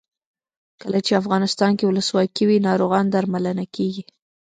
کله چې افغانستان کې ولسواکي وي ناروغان درملنه کیږي.